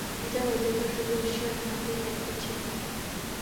যার অধিকার শুধু ঈশ্বরের হাতেই ন্যাস্ত ছিল।